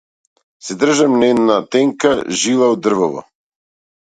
Се држам на една тенка жила од дрвово.